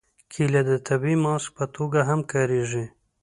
کېله د طبیعي ماسک په توګه هم کارېږي.